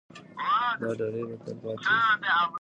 دا ډالۍ به تل پاتې وي.